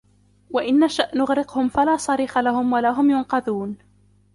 وَإِن نَشَأ نُغرِقهُم فَلا صَريخَ لَهُم وَلا هُم يُنقَذونَ